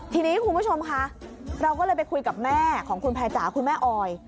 ทีนี้คุณผู้ชมค่ะเราก็เลยไปคุยกับแม่ของคุณแพรจ๋าคุณแม่ออย